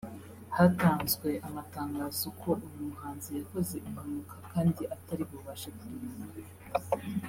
hatanzwe amatangazo ko uyu muhanzi yakoze impanuka kandi atari bubashe kuririmba